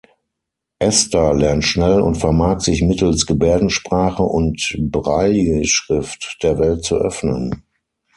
Esther lernt schnell und vermag sich mittels Gebärdensprache und Brailleschrift der Welt zu öffnen.